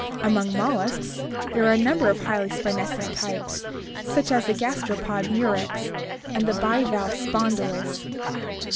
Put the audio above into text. Among molluscs there are a number of highly spinescent types, such as the gastropod Murex and the bivalve Spondylus.